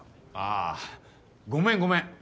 あごめんごめん。